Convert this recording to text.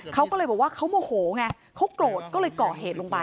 เขาก็เลยบอกว่าเขาโมโหไงเขาโกรธก็เลยก่อเหตุลงไป